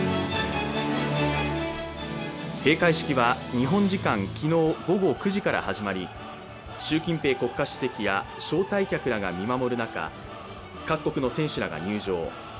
閉会式は日本時間昨日午後９時から始まり習近平国家主席や招待客らが見守る中、各国の選手らが入場。